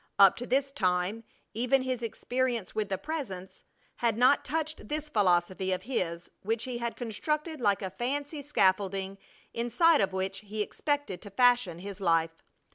Up to this time even his experience with the Presence had not touched this philosophy of his which he had constructed like a fancy scaffolding inside of which he expected to fashion his life.